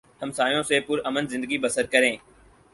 ہمسایوں سے پر امن زندگی بسر کریں